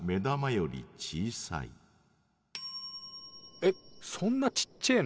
えそんなちっちぇえの？